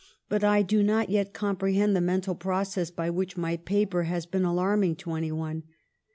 But I do not yet comprehend the mental process by which my paper has been alarming to any one.